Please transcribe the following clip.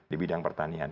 di bidang pertanian